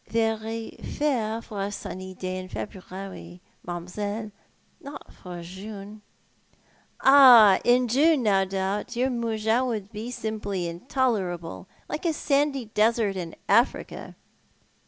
" Very fair for a sunny afternoon in February, mam'selle, not for June." "Ah, in June, no doubt, your ]\Iougins would be simply intolerable, like a sandy desert in Africa."